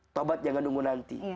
taubat jangan nunggu nanti